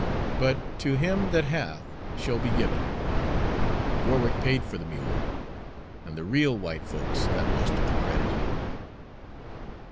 But "to him that hath shall be given" Warwick paid for the mule, and the real white folks got most of the credit.